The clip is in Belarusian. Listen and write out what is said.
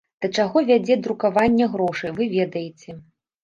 Да чаго вядзе друкаванне грошай, вы ведаеце.